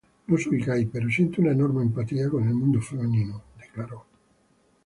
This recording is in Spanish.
No soy gay, pero siento una enorme empatía con el mundo femenino", declaró.